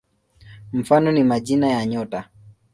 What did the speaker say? Mfano ni majina ya nyota.